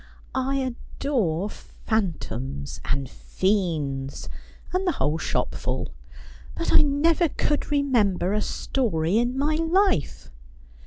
' I adore phantoms, and fiends, and the whole shopful ; but I never could remember a story in my life.'